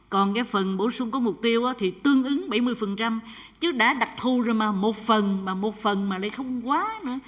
còn cái phần bổ sung có mục tiêu thì tương ứng bảy mươi chứ đã đặc thù rồi mà một phần mà một phần mà lại không quá nữa